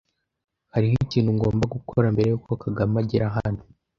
Hariho ikintu ngomba gukora mbere yuko Kagame agera hano